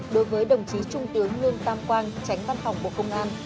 đối với đồng chí trung tướng lương tam quang tránh văn phòng bộ công an